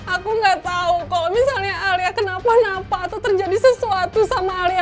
aku nggak tahu kalau misalnya alia kenapa napa tuh terjadi sesuatu sama alia